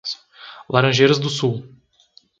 Laranjeiras do Sul